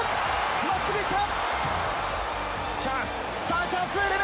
真っすぐ行った！